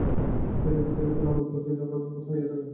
ছেলেতে ছেলেতে নানা উপলক্ষে ঝগড়া বিবাদ হইয়াই থাকে।